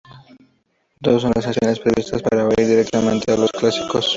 Dos son las sesiones previstas para oír directamente a los clásicos.